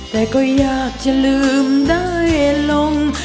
แต่ก็อยากจะลืมได้ลง